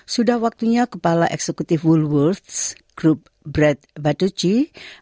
sudah waktunya kepala eksekutif woolworths grup brad baden